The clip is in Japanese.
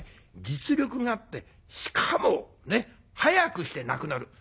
実力があってしかも早くして亡くなる。